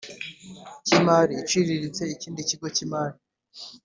cy imari iciriritse ikindi kigo cy imari